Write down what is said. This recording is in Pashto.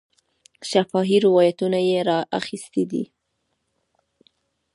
شفاهي روایتونه یې را اخیستي دي.